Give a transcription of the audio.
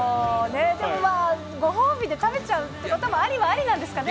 でもまあ、ご褒美で食べちゃうということもありはありなんですかね。